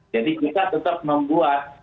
jadi kita tetap membuat